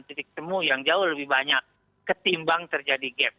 titik temu yang jauh lebih banyak ketimbang terjadi gap